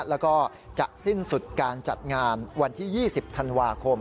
แล้วก็จะสิ้นสุดการจัดงานวันที่๒๐ธันวาคม